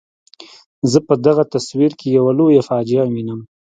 زه په دغه تصویر کې یوه لویه فاجعه وینم.